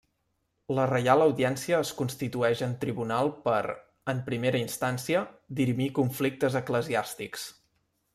La Reial Audiència es constitueix en tribunal per, en primera instància, dirimir conflictes eclesiàstics.